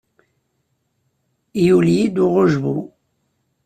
Yuli-yi-d uɣujbu.